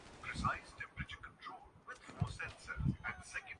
میں نے آپ کو نہیں پہچانا